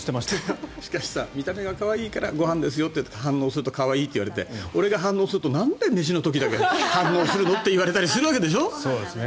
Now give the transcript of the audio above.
見た目が可愛いからご飯ですよと言って反応すると可愛いって言われて俺が反応するとなんで飯の時だけ反応するのって言われたりするわけでしょう。